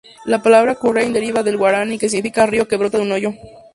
La palabra cuareim deriva del guaraní, que significaría "río que brota de un hoyo".